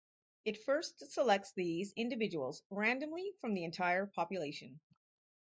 It first selects these individuals randomly from the entire population.